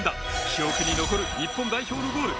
記憶に残る日本代表のゴール